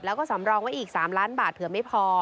แล้วก็สำรองไว้อีก๓ล้านบาทเผื่อไม่พอ